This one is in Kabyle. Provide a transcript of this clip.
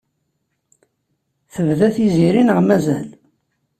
Tebda Tiziri neɣ mazal?